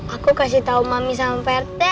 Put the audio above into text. aku kasih tau mami sama prt